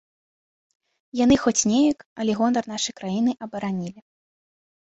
Яны хоць неяк, але гонар нашай краіны абаранілі.